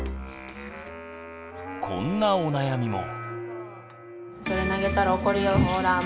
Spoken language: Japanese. こんなお悩みも。